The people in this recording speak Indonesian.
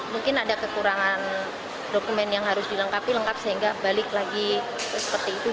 mungkin ada kekurangan dokumen yang harus dilengkapi lengkap sehingga balik lagi seperti itu